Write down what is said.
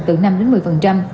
từ năm đến một mươi